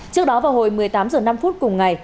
trước đó vào hồi một mươi tám h năm cùng ngày